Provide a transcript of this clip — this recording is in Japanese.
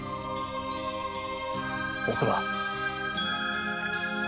おくら。